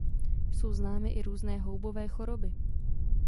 Jsou známy i různé houbové choroby.